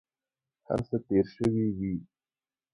هر څه تېر شوي وي.